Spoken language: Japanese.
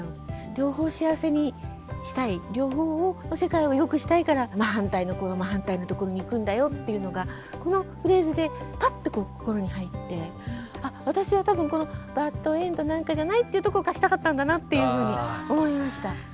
両方幸せにしたい両方の世界をよくしたいから真反対の子が真反対のところに行くんだよっていうのがこのフレーズでぱっと心に入って私は多分この「バッドエンドなんかじゃない」っていうところを書きたかったんだなっていうふうに思いました。